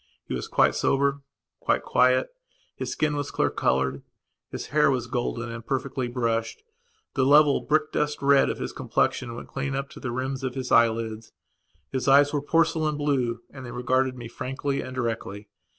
He was quite sober, quite quiet, his skin was clear coloured; his hair was golden and perfectly brushed; the level brick dust red of his complexion went clean up to the rims of his eyelids; his eyes were porcelain blue and they regarded me frankly and directly.